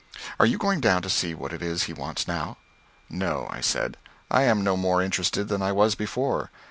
"Are you going down to see what it is he wants now?" "No," I said, "I am no more interested than I was before.